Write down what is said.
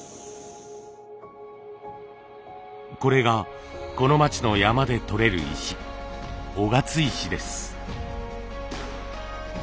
これがこの町の山で採れる石雄勝石です。